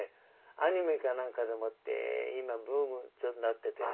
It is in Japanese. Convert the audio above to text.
アニメかなんかでもって今ブームになっててね。